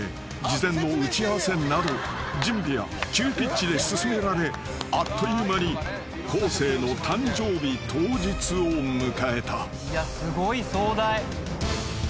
事前の打ち合わせなど準備は急ピッチで進められあっという間に昴生の誕生日当日を迎えた］